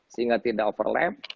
sehingga tidak overlap